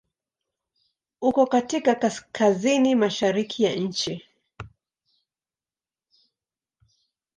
Uko katika Kaskazini mashariki ya nchi.